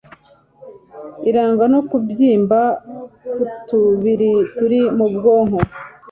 irangwa no kubyimba kutubiri turi mu bwonko